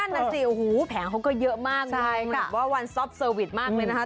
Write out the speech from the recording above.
นั่นนะสิแผงเขาก็เยอะมากว่าวันซอฟต์เซอร์วิสมากเลยนะฮะ